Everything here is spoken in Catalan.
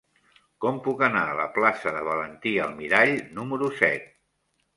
Com puc anar a la plaça de Valentí Almirall número set?